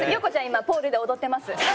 今ポールで踊ってます。